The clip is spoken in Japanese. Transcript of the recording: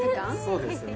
そうですね